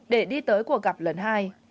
để đi tới cuộc gặp lần hai